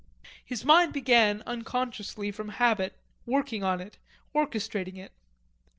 His mind began unconsciously, from habit, working on it, orchestrating it.